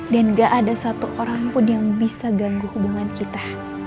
dan enggak ada satu orang pun yang bisa ganggu hubungan kita